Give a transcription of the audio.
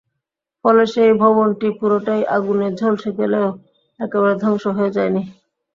ফলে সেই ভবনটি পুরোটাই আগুনে ঝলসে গেলেও একেবারে ধ্বংস হয়ে যায়নি।